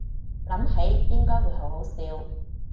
諗起應該會好好笑